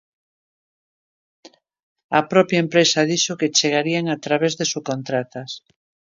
A propia empresa dixo que chegarían a través de subcontratas.